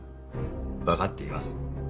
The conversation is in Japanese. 分かっています。